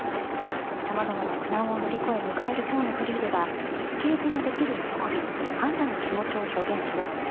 様々な苦難を乗り越え迎える今日のフリーではスケートのできる喜び感謝の気持ちを表現します。